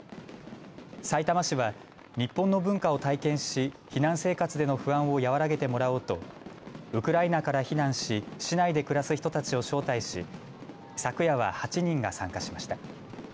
さいたま市は日本の文化を体験し避難生活での不安を和らげてもらおうとウクライナから避難し市内で暮らす人たちを招待し昨夜は８人が参加しました。